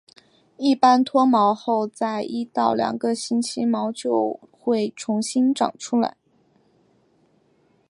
一般脱毛后在一到两个星期毛就回重新长出来。